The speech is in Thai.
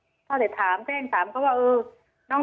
ยายก็ยังแอบไปขายขนมแล้วก็ไปถามเพื่อนบ้านว่าเห็นไหมอะไรยังไง